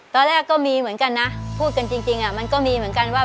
ตอนแรกก็มีเหมือนกันนะพูดกันจริงมันก็มีเหมือนกันว่า